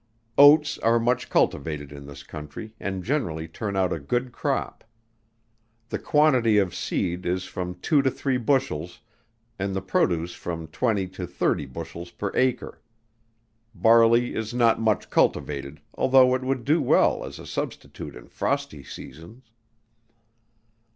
Oats are much cultivated in this country, and generally turn out a good crop. The quantity of seed is from two to three bushels, and the produce from twenty to thirty bushels per acre. Barley is not much cultivated, although it would do well as a substitute in frosty seasons.